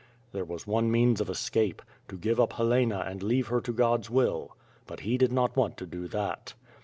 '' There was one moans of escape. To give up Helena and leave her to God's will, but he did not want to do that.